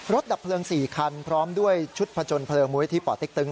ดับเพลิง๔คันพร้อมด้วยชุดผจญเพลิงมูลิธิป่อเต็กตึง